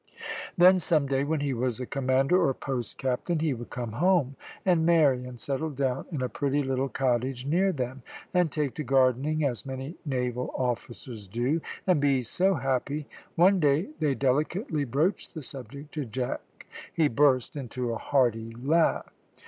Then, some day, when he was a commander or post captain, he would come home, and marry, and settle down in a pretty little cottage near them, and take to gardening, as many naval officers do, and be so happy. One day they delicately broached the subject to Jack. He burst into a hearty laugh.